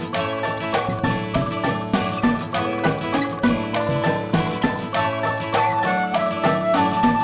t jeden astagfirullahaladzim